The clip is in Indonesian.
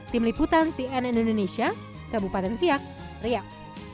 tim liputan cnn indonesia kabupaten siak riak